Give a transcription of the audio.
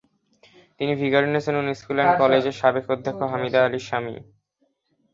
তিনি ভিকারুন্নিসা নূন school and কলেজের সাবেক অধ্যক্ষ হামিদা আলীর স্বামী।